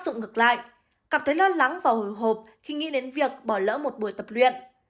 động lại cảm thấy lo lắng và hồi hộp khi nghĩ đến việc bỏ lỡ một buổi tập luyện